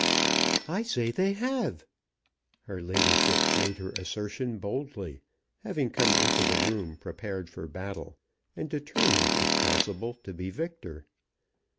"I say they have." Her ladyship made her assertion boldly, having come into the room prepared for battle, and determined if possible to be victor.